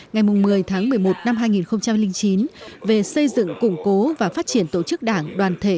ngày một mươi tháng một mươi một năm hai nghìn chín về xây dựng củng cố và phát triển tổ chức đảng đoàn thể